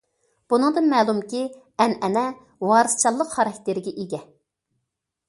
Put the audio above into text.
بۇنىڭدىن مەلۇمكى، ئەنئەنە ۋارىسچانلىق خاراكتېرىگە ئىگە.